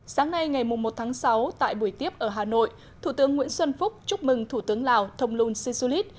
sáng nay ngày một tháng sáu tại buổi tiếp ở hà nội thủ tướng nguyễn xuân phúc chúc mừng thủ tướng lào thông lung sisulit